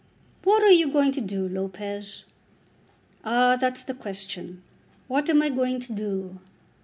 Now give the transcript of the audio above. "What are you going to do, Lopez?" "Ah; that's the question. What am I going to do?